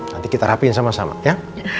nanti kita rapiin sama samat ya